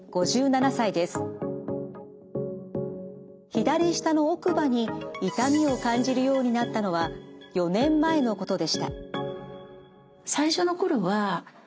左下の奥歯に痛みを感じるようになったのは４年前のことでした。